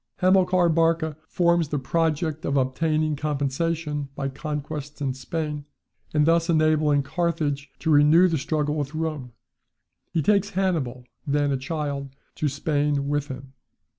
Hamilcar Barca forms the project of obtaining compensation by conquests in Spain, and thus enabling Carthage to renew the struggle with Rome. He takes Hannibal (then a child) to Spain with him.